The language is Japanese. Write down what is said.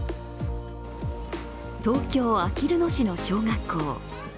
東京・あきる野市の小学校。